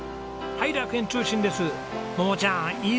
はい。